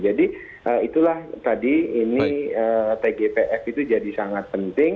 jadi itulah tadi ini pgpf itu jadi sangat penting